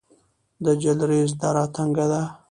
د جلریز دره تنګه ده